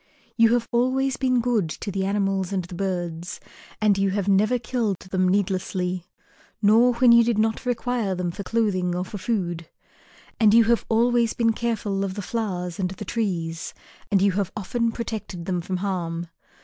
You have always been good to the animals and the birds, and you have never killed them needlessly, nor when you did not require them for clothing or for food. And you have always been careful of the flowers and the trees, and you have often protected them from harm.